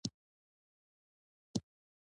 • ځینې نومونه د ادب، عقل او حکمت معنا لري.